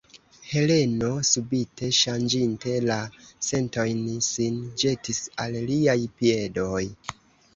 Heleno, subite ŝanĝinte la sentojn, sin ĵetis al liaj piedoj.